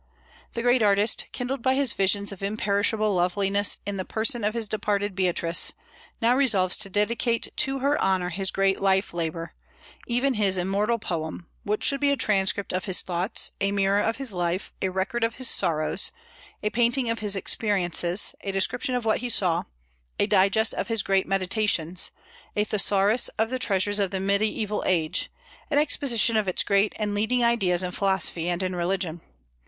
The great artist, kindled by his visions of imperishable loveliness in the person of his departed Beatrice, now resolves to dedicate to her honor his great life labor, even his immortal poem, which should be a transcript of his thoughts, a mirror of his life, a record of his sorrows, a painting of his experiences, a description of what he saw, a digest of his great meditations, a thesaurus of the treasures of the Mediaeval age, an exposition of its great and leading ideas in philosophy and in religion.